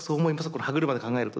この歯車で考えると。